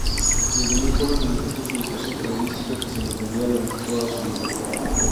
Desde muy joven manifestó su vocación periodística, que se mantendría durante toda su vida.